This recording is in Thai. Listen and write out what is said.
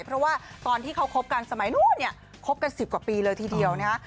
เพราะว่าตอนที่เขาคบกันสมัยนู้นเนี่ยคบกัน๑๐กว่าปีเลยทีเดียวนะฮะ